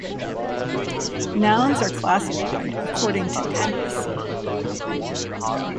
Nouns are classified according to animacy.